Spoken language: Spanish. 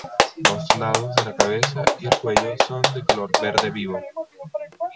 Los lados de la cabeza y el cuello son de color verde vivo.